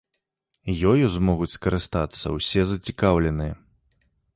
Ёю змогуць скарыстацца ўсе зацікаўленыя.